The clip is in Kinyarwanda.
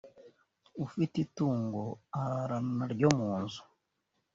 ufite itungo ararana naryo mu nzu